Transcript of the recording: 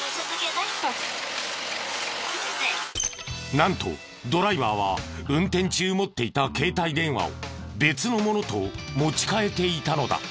なんとドライバーは運転中持っていた携帯電話を別のものと持ち替えていたのだ！